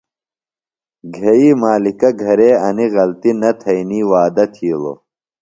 گھئی مالِکہ گھرے انیۡ غلطی نہ تھئینی وعدہ تِھیلوۡ۔